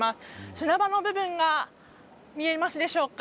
砂場の部分が見えますでしょうか。